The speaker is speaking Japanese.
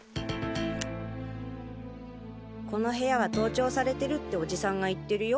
「この部屋は盗聴されてるってオジサンが言ってるよ」。